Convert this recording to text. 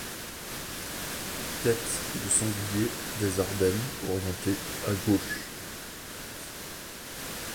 Tête de sanglier des Ardennes orienté à gauche.